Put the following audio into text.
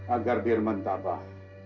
agar birman tabah